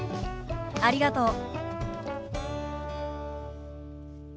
ありがとう。